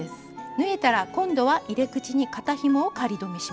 縫えたら今度は入れ口に肩ひもを仮留めします。